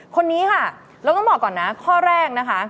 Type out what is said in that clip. คนนี้ค่ะเราต้องบอกก่อนนะข้อแรกนะคะ